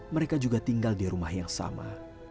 mereka juga tinggal di rumah yang sama